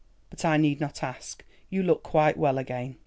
—but I need not ask, you look quite well again."